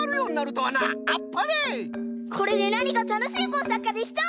これでなにかたのしいこうさくができそう！